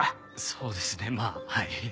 そうですねまあはい。